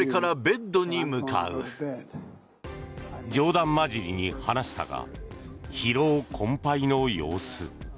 冗談交じりに話したが疲労困憊の様子。